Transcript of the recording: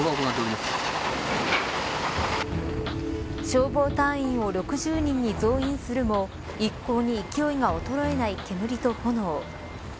消防隊員を６０人に増員するも一向に勢いが衰えない煙と炎。